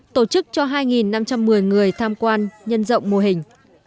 tổ chức cho hai năm trăm một mươi người tham quan nhân rộng mô hình